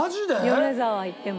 米沢行っても。